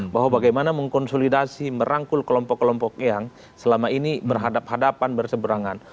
bahwa bagaimana mengkonsolidasi merangkul kelompok kelompok yang selama ini berhadapan hadapan berseberangan